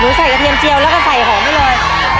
ใส่กระเทียมเจียวแล้วก็ใส่หอมไปเลย